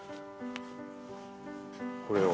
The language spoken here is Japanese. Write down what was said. これを。